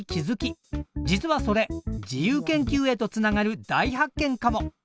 実はそれ自由研究へとつながる大発見かも！